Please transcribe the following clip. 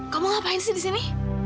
kamu ngapain sih disini